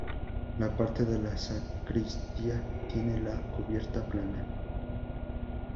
La parte de la sacristía tiene la cubierta plana.